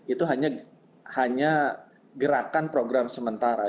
itu hanya gerakan program sementara